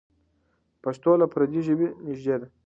پښتو له پردۍ ژبې نږدې ده.